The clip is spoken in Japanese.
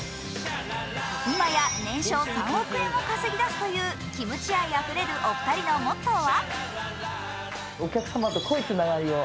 今や年商３億円を稼ぎ出すというキムチ愛あふれるお二人のモットーは？